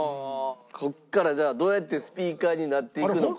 ここからどうやってスピーカーになっていくのか。